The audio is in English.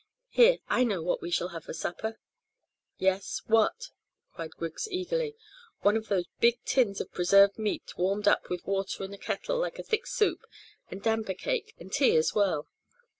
Here, I know what we shall have for supper." "Yes, what?" cried Griggs eagerly. "One of those big tins of preserved meat warmed up with water in the kettle like a thick soup, and damper cakes, and tea as well."